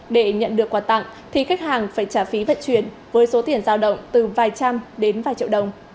để nhận được quà tặng thì khách hàng phải trả phí vận chuyển với số tiền giao động từ vài trăm đến vài triệu đồng